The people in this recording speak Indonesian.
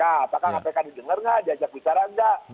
apakah kpk didengar nggak diajak bicara nggak